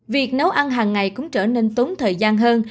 việc nấu ăn hàng ngày cũng trở nên tốn thời gian hơn